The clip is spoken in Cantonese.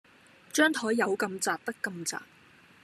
張檯有咁窄得咁窄